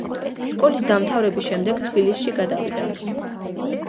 სკოლის დამთავრების შემდეგ თბილისში გადავიდა.